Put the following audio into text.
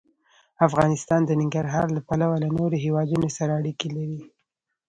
افغانستان د ننګرهار له پلوه له نورو هېوادونو سره اړیکې لري.